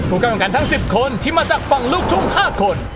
กรรมการทั้ง๑๐คนที่มาจากฝั่งลูกทุ่ง๕คน